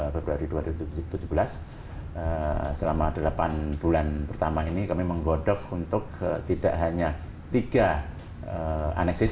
februari dua ribu tujuh belas selama delapan bulan pertama ini kami menggodok untuk tidak hanya tiga aneksis